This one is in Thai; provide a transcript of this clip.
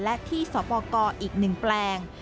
และที่สปกรอีก๑แปลง